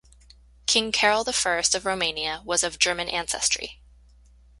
King Carol the First of Romania was of German ancestry.